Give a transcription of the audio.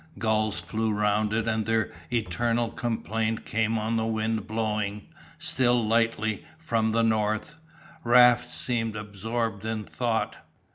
Gulls flew round it and their eternal complaint came on the wind blowing, still lightly, from the north. Raft seemed absorbed in thought.